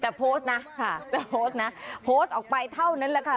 แต่โพสต์นะค่ะไปโพสต์นะโพสต์ออกไปเท่านั้นแหละค่ะ